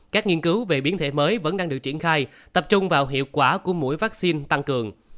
các nghiên cứu về biến thể mới vẫn đang được triển khai tập trung vào hiệu quả của mũi vaccine tăng cường